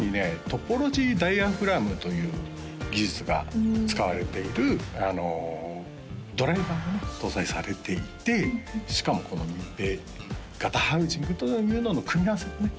トポロジーダイアフラムという技術が使われているあのドライバーがね搭載されていてしかも密閉型ハウジングというのの組み合わせでね